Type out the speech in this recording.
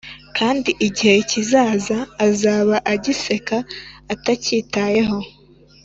kandi igihe kizaza azaba agiseka atacyitayeho